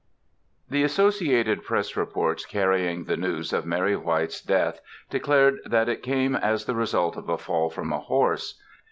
THE Associated Press reports carrying the news of Mary White's death declared that it came as the result of a fall from a horse.